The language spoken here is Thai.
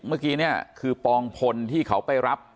เมื่อกี้เนี่ยคือปองพลที่เขาไปรับ